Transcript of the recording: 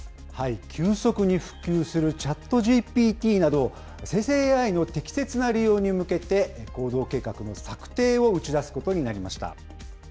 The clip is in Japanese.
急速に普及するチャットＧＰＴなど、生成ＡＩの適切な利用に向けて、行動計画の策定を打ち出すことになりました。